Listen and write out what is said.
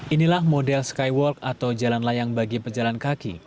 inilah model skywalk atau jalan layang bagi pejalan kaki